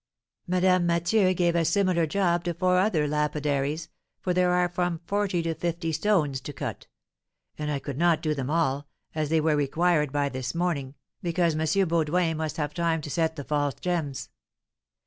Madame Mathieu gave a similar job to four other lapidaries, for there are from forty to fifty stones to cut; and I could not do them all, as they were required by this morning, because M. Baudoin must have time to set the false gems.